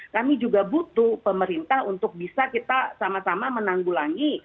kami juga butuh pemerintah untuk bisa kita sama sama menanggulangi